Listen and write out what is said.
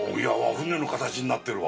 船の形になってるわ。